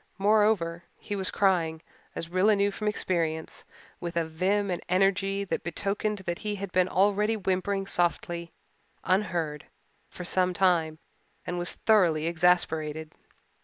Moreover, he was crying, as Rilla knew from experience, with a vim and energy that betokened that he had been already whimpering softly unheard for some time and was thoroughly exasperated.